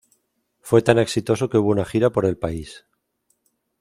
Fue tan exitoso que hubo una gira por el país.